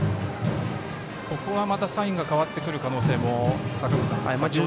ここは、サインが変わってくる可能性も。